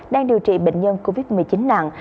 đang điều trị bệnh nhân covid một mươi chín nặng